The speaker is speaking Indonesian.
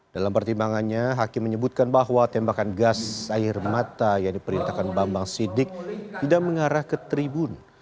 dalam pertimbangannya hakim menyebutkan bahwa tembakan gas air mata yang diperintahkan bambang sidik tidak mengarah ke tribun